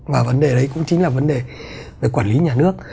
mà vấn đề đấy cũng chính là vấn đề về quản lý nhà nước